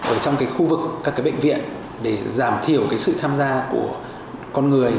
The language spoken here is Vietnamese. ở trong cái khu vực các cái bệnh viện để giảm thiểu cái sự tham gia của con người